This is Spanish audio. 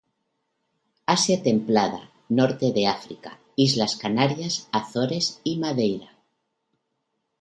Asia templada, norte de África, Islas Canarias, Azores y Madeira.